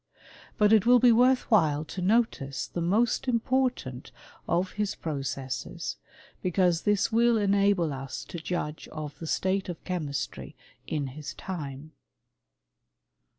But it will be worth while to notice the most important of his processes, because this will enable us to judge of the state of chemistry in bis time.